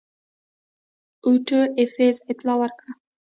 اوټو ایفز اطلاع ورکړه.